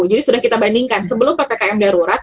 jadi sudah kita bandingkan sebelum ppkm darurat